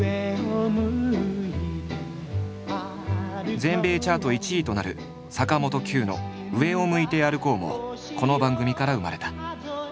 全米チャート１位となる坂本九の「上を向いて歩こう」もこの番組から生まれた。